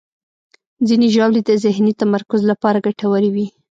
ځینې ژاولې د ذهني تمرکز لپاره ګټورې وي.